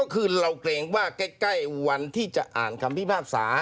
คือเราเกรงว่าใกล้วันที่จะอ่านคำพิพากษา